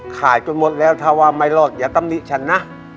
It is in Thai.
ขายกันหมดแล้วถ้าว่าไม่รอดอย่าตำหนิฉันนะ